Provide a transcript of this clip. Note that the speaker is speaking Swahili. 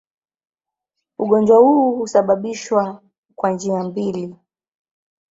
Ugonjwa huu husababishwa kwa njia mbili.